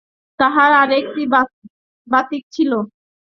তাঁহার আর-একটি বাতিক ছিল।